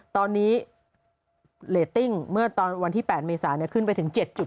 ตอนนี้เรตติ้งเมื่อตอนวันที่๘เมษาขึ้นไปถึง๗๘